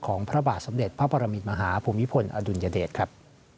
พระบาทสมเด็จพระปรมินมหาภูมิพลอดุลยเดชครับ